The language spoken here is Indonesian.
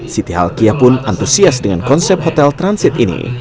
siti alkia pun antusias dengan konsep hotel transit ini